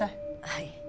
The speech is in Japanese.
はい。